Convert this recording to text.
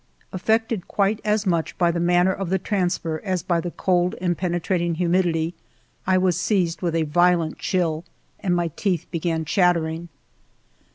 Affected quite as much by the manner of the transfer as by the cold and penetrating humidity, I was seized with a violent chill and my teeth began chattering.